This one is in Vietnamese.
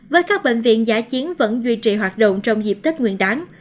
với các bệnh viện giải chiến vẫn duy trì hoạt động trong dịp tích nguyện đáng